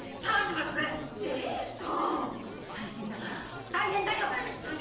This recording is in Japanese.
大変だ大変だよ！